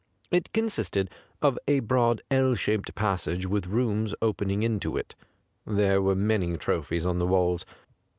It consisted of a broad L shaped passage with rooms opening into it. There were many trophies on the walls.